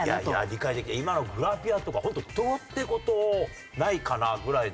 今のグラビアとかホントどうって事ないかなぐらいで。